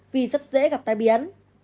vì rất dễ gặp tai biến